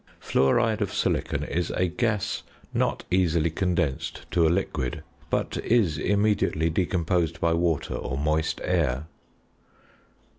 Fluoride of silicon is a gas not easily condensed to a liquid: but is immediately decomposed by water or moist air.